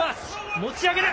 持ち上げる。